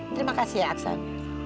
terima kasih ya aksan